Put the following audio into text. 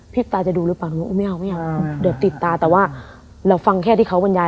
พี่จะดูหรือป่ะไม่เอาเดี๋ยวติดตาแต่ว่าเราฟังแค่ที่เขาบรรยาย